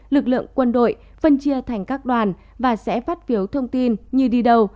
lực lượng quân đội phân chia thành các đoàn và sẽ phát phiếu thông tin như đi đầu